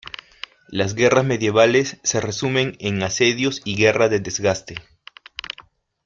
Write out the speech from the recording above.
Las guerras medievales se resumen en asedios y guerra de desgaste.